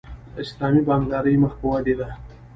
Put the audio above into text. اسلامي بانکداري مخ په ودې ده